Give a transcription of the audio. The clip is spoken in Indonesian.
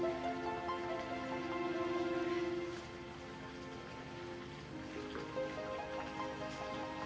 selamat tinggal mas